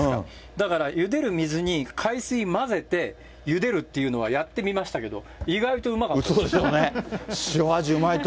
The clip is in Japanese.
だから、ゆでる水に海水混ぜて、ゆでるっていうのは、やってみましたけれそうでしょうね。